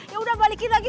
ya udah balikin lagi